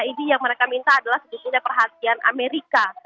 id yang mereka minta adalah sebetulnya perhatian amerika